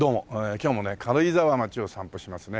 今日もね軽井沢町を散歩しますね。